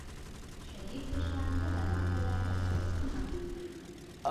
شدید فشار کله ناکله ګټور تمامېږي.